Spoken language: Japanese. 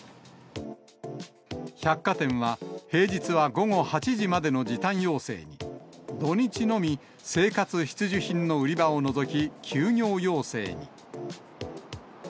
百貨店は、平日は午後８時までの時短要請に、土日のみ生活必需品の売り場を除き、休業要請に。